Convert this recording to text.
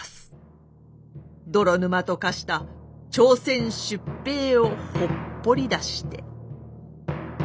泥沼と化した朝鮮出兵をほっぽり出して。